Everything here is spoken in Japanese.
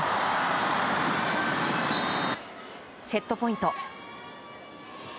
セットポイント。